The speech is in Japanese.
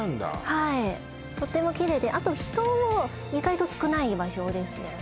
はいとてもきれいであと人も意外と少ない場所ですね